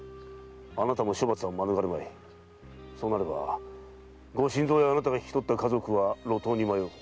そうなればご新造やあなたが引き取った家族は路頭に迷う。